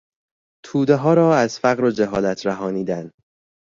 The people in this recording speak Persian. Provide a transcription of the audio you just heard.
تودهها را از فقر و جهالت رهانیدن